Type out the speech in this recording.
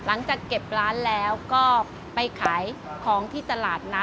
หลังจากเก็บร้านแล้วก็ไปขายของที่ตลาดนัด